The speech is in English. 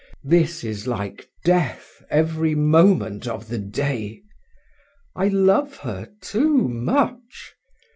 "This is like death every moment of the day! I love her too much!